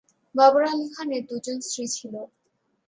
বাবর আলী খানের দুজন স্ত্রী ছিল।